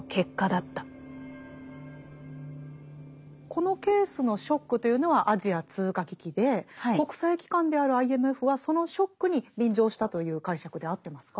このケースのショックというのはアジア通貨危機で国際機関であるＩＭＦはそのショックに便乗したという解釈で合ってますか？